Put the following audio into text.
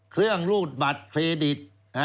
เครื่องรูดบัตรเครดิต